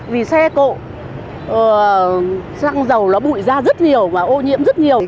vì xe cộ xăng dầu nó bụi ra rất nhiều và ô nhiễm rất nhiều